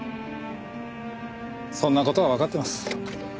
そんな事はわかってます。